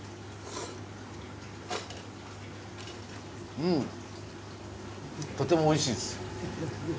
うんとてもおいしいです。